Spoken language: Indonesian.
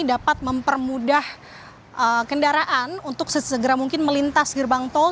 dapat mempermudah kendaraan untuk sesegera mungkin melintas gerbang tol